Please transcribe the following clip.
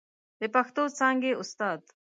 د پښتو څانګې استاد